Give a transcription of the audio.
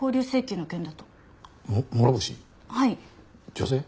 女性？